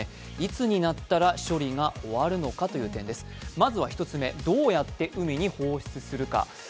まずは一つ目、どうやって海に放出するか。